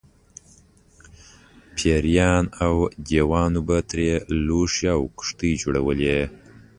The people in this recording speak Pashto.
پېریانو او دیوانو به ترې لوښي او کښتۍ جوړولې.